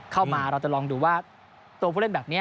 เราจะลองดูว่าตัวผู้เล่นแบบนี้